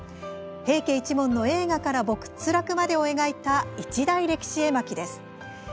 平家一門の栄華から没落までを描いた一代歴史絵巻です。